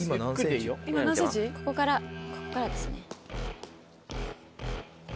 ここからここからですね。